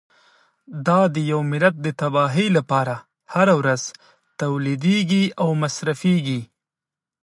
دا د یوه ملت د تباهۍ لپاره هره ورځ تولیدیږي او مصرفیږي.